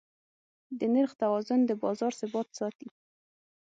د نرخ توازن د بازار ثبات ساتي.